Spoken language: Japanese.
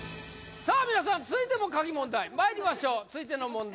さあみなさん続いても書き問題まいりましょう続いての問題